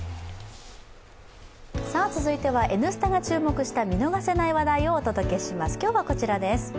続いては「Ｎスタ」が注目した見逃せない話題をお伝えします。